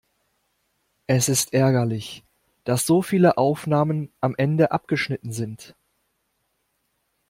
Es ist ärgerlich, dass so viele Aufnahmen am Ende abgeschnitten sind.